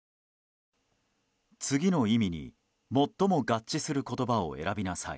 次の意味に、最も合致する言葉を選びなさい。